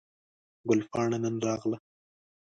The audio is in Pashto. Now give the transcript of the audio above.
ګل پاڼه نن راغله